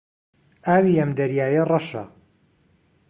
ئاوی ئەم دەریایە ڕەشە.